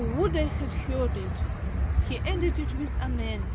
would I had heard it! He ended it with Amen!